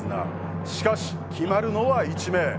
しかし決まるのは１名。